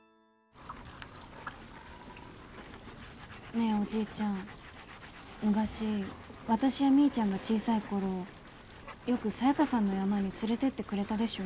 ねえおじいちゃん昔私やみーちゃんが小さい頃よくサヤカさんの山に連れてってくれたでしょ？